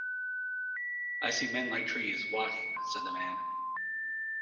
"I see men like trees, walking," said the man.